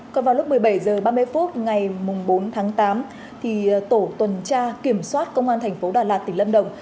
còn vào lúc một mươi bảy h ba mươi phút ngày bốn tháng tám tổ tuần tra kiểm soát công an thành phố đà lạt tỉnh lâm đồng